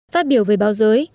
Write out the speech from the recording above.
phát biểu về báo giới